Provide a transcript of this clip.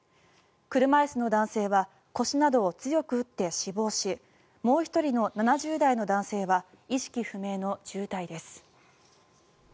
車椅子の男性は腰などを強く打って死亡しもう１人の７０代の男性は意識不明の重体です。